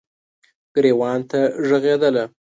ګریوان ته ږغیدله